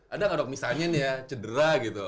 ada nggak dok misalnya nih ya cedera gitu